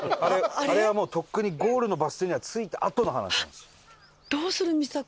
あれはもうとっくにゴールのバス停には着いたあとの話なんです。